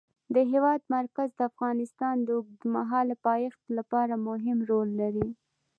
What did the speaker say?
د هېواد مرکز د افغانستان د اوږدمهاله پایښت لپاره مهم رول لري.